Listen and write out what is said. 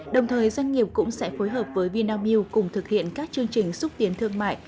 đồng thời doanh nghiệp cũng sẽ phối hợp với vinamilk cùng thực hiện các chương trình xúc tiến thương mại